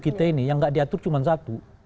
kita ini yang nggak diatur cuma satu